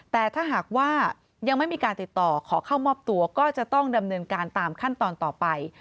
แต่ถ้าหากว่ายังไม่มีการติดต่อขอเข้ามอบตัวก็จะต้องดำเนินการตามขั้นตอนต่อไป